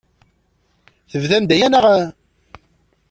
Tebdam-d aya, naɣ?